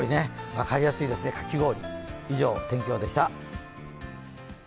分かりやすいですね、かき氷。